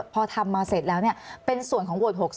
พอทำมาเสร็จแล้วเป็นส่วนของโหวต๖๒